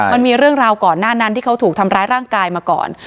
มันมีเรื่องราวก่อนหน้านั้นที่เขาถูกทำร้ายร่างกายมาก่อน